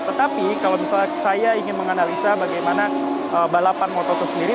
tetapi kalau misalnya saya ingin menganalisa bagaimana balapan moto dua sendiri